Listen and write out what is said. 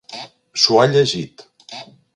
S'ho ha llegit.